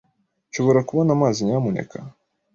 Nshobora kubona amazi, nyamuneka?